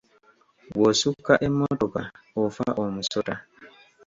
Bw’osukka emmotoka ofa omusota.